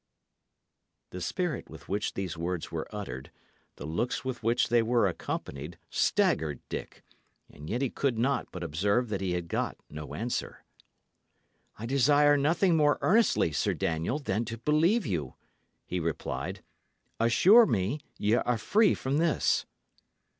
The spirit with which these words were uttered, the looks with which they were accompanied, staggered Dick; and yet he could not but observe that he had got no answer. "I desire nothing more earnestly, Sir Daniel, than to believe you," he replied. "Assure me ye are free from this."